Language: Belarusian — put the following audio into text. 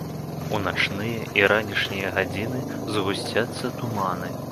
У начныя і ранішнія гадзіны згусцяцца туманы.